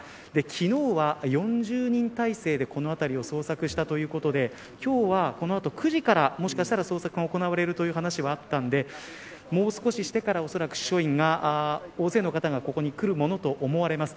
昨日は、４０人態勢でこの辺りを捜索したということで今日はこの後９時からもしかしたら捜索が行われるという話はあったのでもう少ししてからおそらく署員が、大勢の方がここに来るものと思われます。